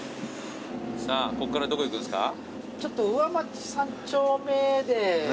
さあこっからどこ行くんすか？